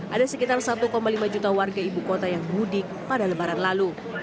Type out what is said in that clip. ada sekitar satu lima juta warga ibu kota yang mudik pada lebaran lalu